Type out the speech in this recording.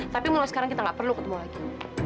tapi mulai sekarang kita nggak perlu ketemu lagi